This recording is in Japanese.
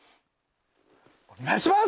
お願いします！